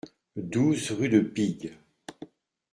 douze rue de Pigue